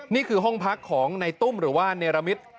นี่คือห้องพักของในตุ้มหรือว่าเนรมิต